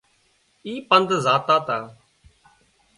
اي پند زاتا تا